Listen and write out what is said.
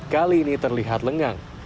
kali ini terlihat lengang